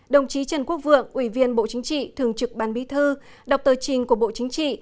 đồng chí trần quốc vượng ủy viên bộ chính trị thường trực ban bí thư đọc tờ trình của bộ chính trị